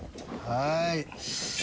はい。